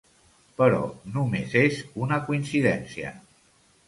Però només és una coincidència.